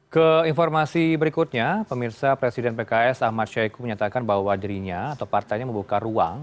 ke informasi berikutnya pemirsa presiden pks ahmad syahiku menyatakan bahwa dirinya atau partainya membuka ruang